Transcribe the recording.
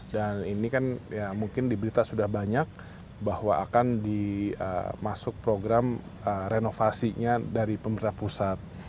dan ini kan ya mungkin diberita sudah banyak bahwa akan dimasuk program renovasinya dari pemerintah pusat